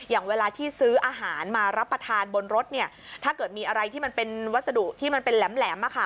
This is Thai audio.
อย่างเวลาที่ซื้ออาหารมารับประทานบนรถเนี่ยถ้าเกิดมีอะไรที่มันเป็นวัสดุที่มันเป็นแหลม